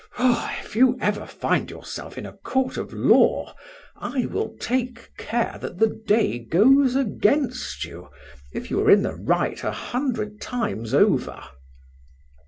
Oh! if ever you find yourself in a court of law, I will take care that the day goes against you if you were in the right a hundred times over."